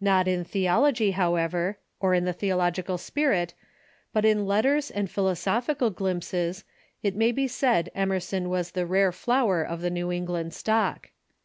Not in theology, however, or in the theological spirit, but in let ters and philosophical glimpses, it may be said Emerson was the rare flower of the New England stock.